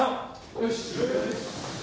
よし。